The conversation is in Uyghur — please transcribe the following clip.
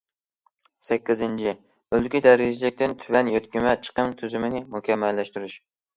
سەككىزىنچى، ئۆلكە دەرىجىلىكتىن تۆۋەن يۆتكىمە چىقىم تۈزۈمىنى مۇكەممەللەشتۈرۈش.